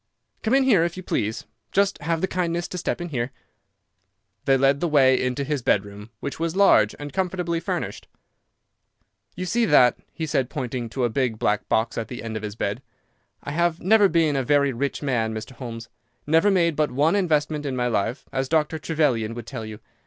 "Come in here, if you please. Just have the kindness to step in here." He led the way into his bedroom, which was large and comfortably furnished. "You see that," said he, pointing to a big black box at the end of his bed. "I have never been a very rich man, Mr. Holmes—never made but one investment in my life, as Dr. Trevelyan would tell you.